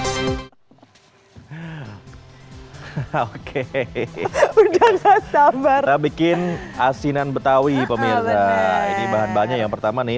hai hai hai hai oke hehehe udah sabar bikin asinan betawi pemirsa ini bahan bahannya yang pertama nih